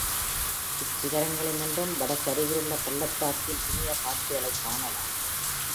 இச் சிகரங்களினின்றும் வட சரிவிலுள்ள பள்ளத்தாக்கின் இனிய காட்சிகளைக் காணலாம்.